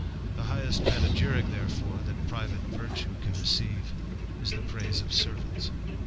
The highL sl panegyrick, therefore, that private virtue can recrive, is the praise of servants.